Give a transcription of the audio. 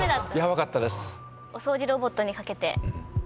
お掃除ロボットに懸けて。